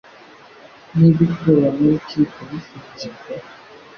Niba itorero n'urukiko bisubije pe